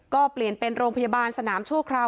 ก็เปลี่ยนเป็นโรงพยาบาลสนามชั่วคราว